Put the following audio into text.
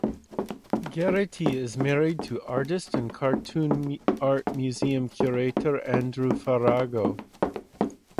Garrity is married to artist and Cartoon Art Museum curator Andrew Farago.